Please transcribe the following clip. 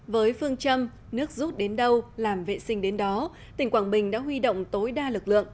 với phương châm nước rút đến đâu làm vệ sinh đến đó tỉnh quảng bình đã huy động tối đa lực lượng